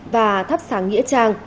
và thắp sáng nghĩa trang